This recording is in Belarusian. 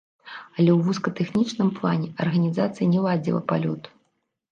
Але ў вузкатэхнічным плане арганізацыя не ладзіла палёт.